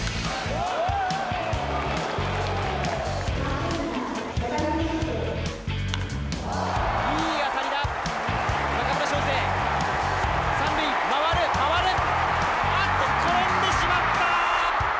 あーっと転んでしまった。